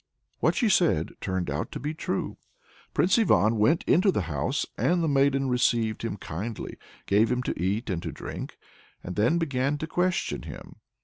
What she said turned out to be true. Prince Ivan went into the house, and the maiden received him kindly, gave him to eat and to drink, and then began to question him.